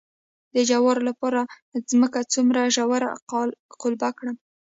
د جوارو لپاره ځمکه څومره ژوره قلبه کړم؟